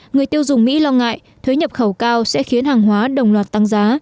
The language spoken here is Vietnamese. người tiêu dùng mỹ lo ngại thuế nhập khẩu cao sẽ khiến hàng hóa đồng loạt tăng giá